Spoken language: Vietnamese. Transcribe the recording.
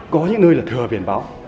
có những nơi là thừa biển báo